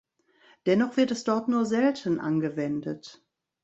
Dennoch wird es dort nur selten angewendet.